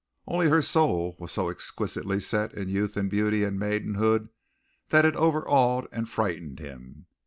Only her soul was so exquisitely set in youth and beauty and maidenhood that it overawed and frightened him.